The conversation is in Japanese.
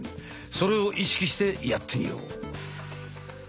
それを意識してやってみよう。